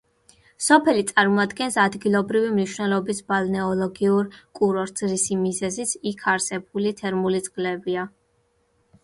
სოფელი წარმოადგენს ადგილობრივი მნიშვნელობის ბალნეოლოგიურ კურორტს, რისი მიზეზიც იქ არსებული თერმული წყლებია.